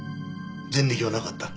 前歴はなかった。